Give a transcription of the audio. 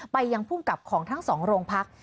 ไปยังพุ่งกับของทั้งสองโรงพักษณ์